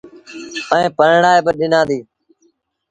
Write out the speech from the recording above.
ائيٚݩ پرڻآئي با ڏنآݩدي۔